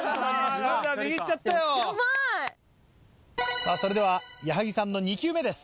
さぁそれでは矢作さんの２球目です。